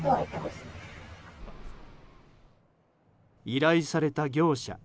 依頼された業者。